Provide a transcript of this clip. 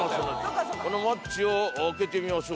このマッチを開けてみましょう。